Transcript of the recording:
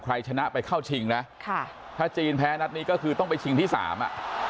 ใครชนะไปเข้าชิงนะค่ะถ้าจีนแพ้นัดนี้ก็คือต้องไปชิงที่สามอ่ะ